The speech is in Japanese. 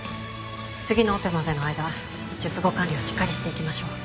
次のオペまでの間術後管理をしっかりしていきましょう。